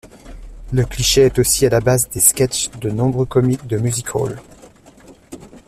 Le cliché est aussi à la base des sketches de nombreux comiques de music-hall.